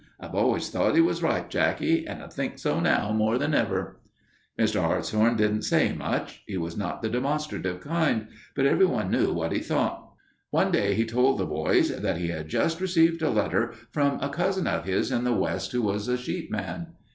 I've always thought 'e was right, Jacky, and I think so now more than ever." Mr. Hartshorn didn't say much. He was not the demonstrative kind, but everyone knew what he thought. One day he told the boys that he had just received a letter from a cousin of his in the West who was a sheep man.